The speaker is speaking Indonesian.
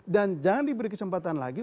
dan jangan diberi kesempatan lagi